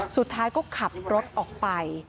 สุดท้ายก็ขับรถออกไป